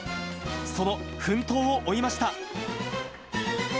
その奮闘を追いました。